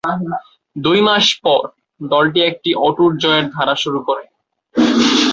দুই মাস পর, দলটি একটি অটুট জয়ের ধারা শুরু করে।